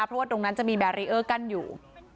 เพราะว่าตรงนั้นจะมีกันอยู่